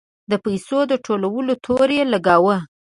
د پیسو د ټولولو تور لګاوه.